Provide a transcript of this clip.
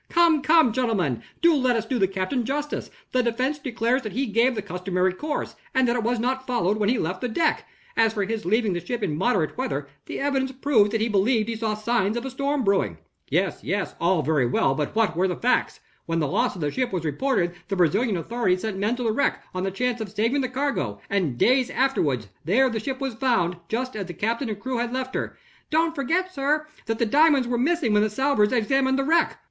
"Come, come, gentlemen! let us do the captain justice. The defense declares that he gave the customary course, and that it was not followed when he left the deck. As for his leaving the ship in moderate weather, the evidence proves that he believed he saw signs of a storm brewing." "Yes, yes, all very well, but what were the facts? When the loss of the ship was reported, the Brazilian authorities sent men to the wreck, on the chance of saving the cargo; and, days afterward, there the ship was found, just as the captain and the crew had left her." "Don't forget, sir, that the diamonds were missing when the salvors examined the wreck."